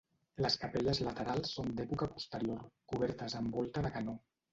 Les capelles laterals són d'època posterior, cobertes amb volta de canó.